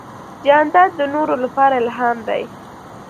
جانداد د نورو لپاره الهام دی.